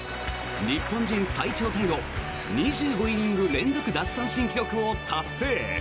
日本人最長タイの２５イニング連続奪三振記録を達成。